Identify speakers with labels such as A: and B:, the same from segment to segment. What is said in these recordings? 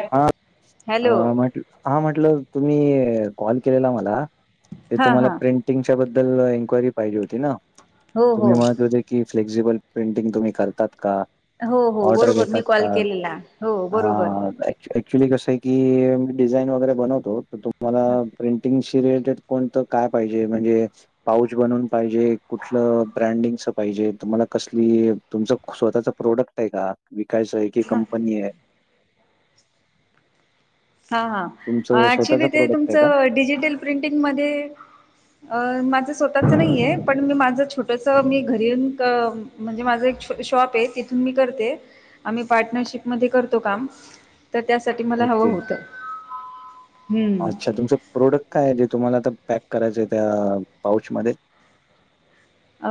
A: हा
B: हॅलो
A: म्हट हा म्हटलं तुम्ही कॉल केलेला मला ते
B: हा
A: तुम्हाला
B: हा
A: प्रिंटिंगच्या बद्दल एनक्वायरी पाहिजे होती ना
B: हो हो
A: तुम्ही म्हणत होते की फ्लेक्झिबल पेंटिंग तुम्ही करतात का [unintelligible]
B: हो हो
A: ऑर्डर
B: बरोबर मी
A: घेतात का
B: कॉल केलेला हो बरोबर
A: हा ऍक्च्युली कसं आहे की मी डिझाईन वगैरे बनवतो तर तुम्हाला प्रिंटिंग श रिलेटेड [unintelligible] कोणत काय पाहिजे म्हणजे [unintelligible] पाऊच बनवून पाहिजे कुठलं ब्रँडिंगच पाहिजे तुम्हाला कसली तुमचं स्वतःच प्रोडक्ट [unintelligible] य का विकायचं आहे की कंपनी आहे [unintelligible]
B: हा
A: तुमचं
B: हा
A: स्वतःच
B: ऍक्च्युली ते
A: प्रोडक्ट आहे का
B: तुमचं डिजिटल प्रिंटिंग म माझं स्वतःच नाही आहे पण मी माझ छट ोस मी घरी ये म्हणजे माझा एक शॉप आहे तिथून मी करते आम्ही पार्टनरशिप म करतो काम तर त्यासाठी मला
A: ओके
B: हवं होतं [unintelligible]
A: अच्छा तुमचं प्रोडक्ट काय आहे जे तुम्हाला आता पॅक करायचंय त्या पाउचमध्येध्ये
B: अ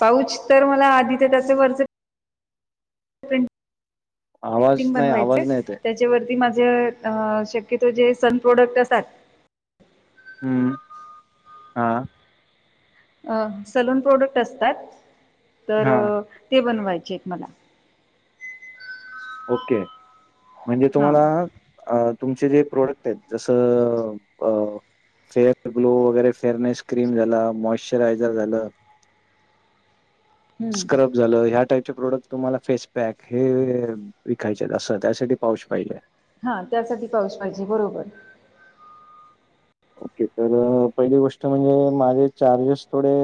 B: पाऊच तर मला आधी तर त्याच वरच
A: आवाज
B: िंग
A: नाही, आवाज
B: बनवायचे
A: नाही येत आहे.
B: त्याच्यावरती माझे अ शक्यतो जे सन प्रोडक्ट असतात
A: हम्म हा [unintelligible]
B: अ सलून प्रोडक्ट असतात तर
A: हां.
B: ते बनवायचे आहेत मला
A: ओके म्हणजे
B: हा
A: तुम्हाला [unintelligible] अ तुमचे जे प्रोडक्ट आहेत जसं फेअर ग्लो वगैरे फेअरनेस क्रीम झाला मॉइस्चरायझर झालं
B: हम्म
A: स्क्रब [unintelligible] झालं ह्या टाईपचे प्रोडक्ट तुम्हाला फेस पॅक हे विकायचे असं त्यासाठी पाऊच पाहिजे [unintelligible]
B: हा त्यासाठी पाऊस पाहिजे बरोबर [unintelligible]
A: ओके तर पहिली गोष्ट म्हणजे माझे चार्जेस थोडे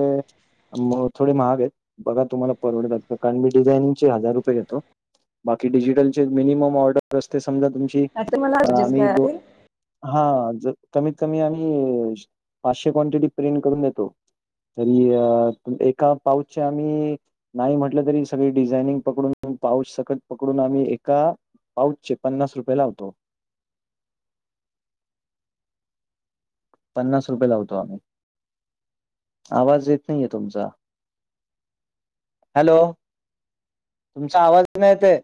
A: मग थोडे महाग आहेत बघा तुम्हाला परवडतात कारण मी डिझायनिंगचे हजार रुपये घेतो बाकी डिजिटलचे मिनिमम ऑर्डर असते समजा तुमची
B: आता मला जजेस
A: आम्ही
B: काय
A: दो
B: असेल
A: हा ज कमीत कमी आम्ही पाचशे क्वांटिटी प्रिंट करून देतो तरी अ एका पाऊचच्या आम्ही [unintelligible] नाही म्हटलं तरी सगळी डिझाइनिंग पकडून पाऊस सकट पकडून आम्ही एका पाऊच चे पन्नास रुपये लावतो. पन्नास रुपये लावतो आम्ही आवाज येत नाहीये तुमचा हॅलो तुमचा आवाज नाही येत.